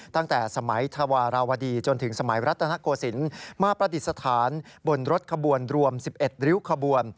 ตั้งแต่สมัยธวาราวดีจนถึงสมัยรัตนโกศิลป์มาประดิษฐานบนรถขบวนรวม๑๑ริ้วขบวน